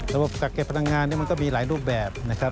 ระบบกักเก็บพลังงานมันก็มีหลายรูปแบบ